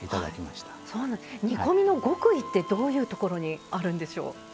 煮込みの極意ってどういうところにあるんでしょう？